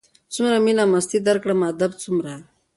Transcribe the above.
څومره مينه مستي درکړم ادب څومره